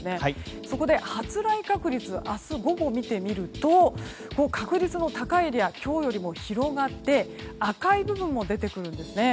そこで発雷確率明日午後、見てみると確率の高いエリアが今日より広がって赤い部分も出てくるんですね。